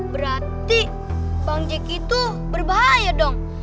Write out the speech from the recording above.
berarti bang jack itu berbahaya dong